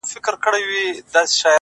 مجرم د غلا خبري پټي ساتي”